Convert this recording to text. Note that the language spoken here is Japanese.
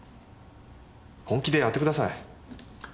本気でやってください。